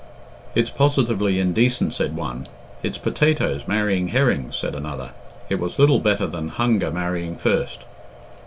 "It's positively indecent," said one. "It's potatoes marrying herrings," said another. It was little better than hunger marrying thirst.